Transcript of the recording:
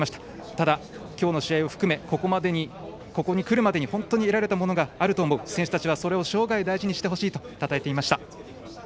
ただ、今日の試合を含めここに来るまでに本当に得られたことがあると思う、選手たちにはそれを生涯大事にしてほしいとたたえていました。